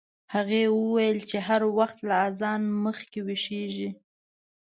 هغې وویل چې هر وخت له اذان مخکې ویښیږي.